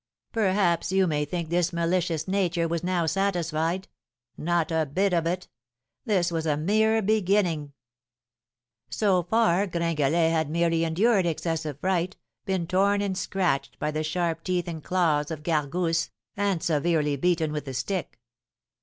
Perhaps you may think this malicious nature was now satisfied, not a bit of it! This was a mere beginning! "So far Gringalet had merely endured excessive fright, been torn and scratched by the sharp teeth and claws of Gargousse, and severely beaten with the stick.